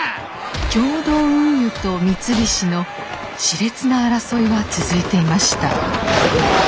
共同運輸と三菱の熾烈な争いは続いていました。